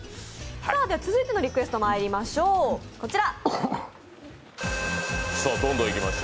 続いてのリクエストまいりましょう、こちら。